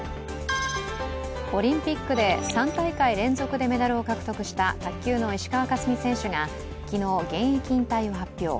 オリンピックで３大会連続でメダルを獲得した卓球の石川佳純選手が昨日、現役引退を発表。